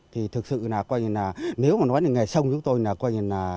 thì thực sự là nếu mà nói về ngày sông chúng tôi là hỏng hẳn